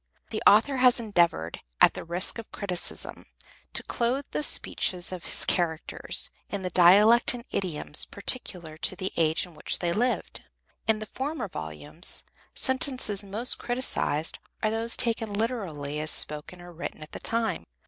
The author has endeavored at the risk of criticism to clothe the speeches of his characters in the dialect and idioms peculiar to the age in which they lived. In the former volumes, sentences most criticised are those taken literally as spoken or written at the time.